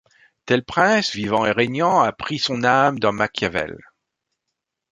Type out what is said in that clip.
Tel prince, vivant et régnant, a pris son âme dans Machiavel.